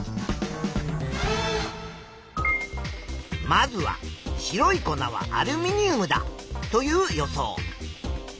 まずは白い粉はアルミニウムだという予想。